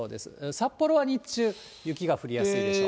札幌は日中、雪が降りやすいでしょう。